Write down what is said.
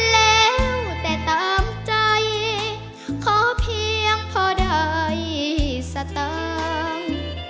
แล้วแต่ตามใจขอเพียงพอได้สตางค์